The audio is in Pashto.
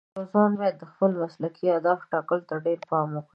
یو ځوان باید د خپلو مسلکي اهدافو ټاکلو ته ډېر پام وکړي.